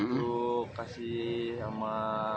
untuk kasih sama